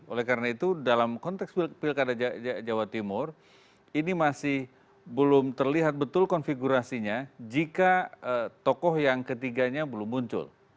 oleh karena itu dalam konteks pilkada jawa timur ini masih belum terlihat betul konfigurasinya jika tokoh yang ketiganya belum muncul